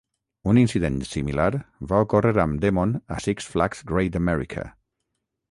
Un incident similar va ocórrer amb Demon a Six Flags Great America.